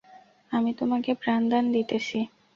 আমি তোমাকে প্রাণদান দিতেছি।